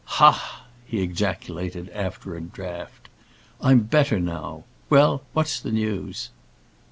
"Ha a!" he ejaculated, after a draught; "I'm better now. Well, what's the news?"